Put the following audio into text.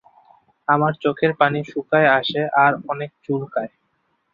আমার চোখের পানি শুকায় আসে আর অনেক চুলকায়।